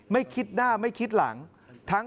ไม่คิดหน้าไม่คิดหลัง